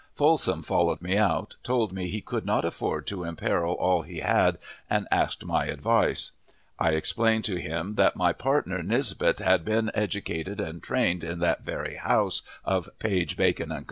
Folsom followed me out, told me he could not afford to imperil all he had, and asked my advice. I explained to him that my partner Nisbet had been educated and trained in that very house of Page, Bacon & Co.